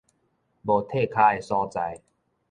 無退跤个所在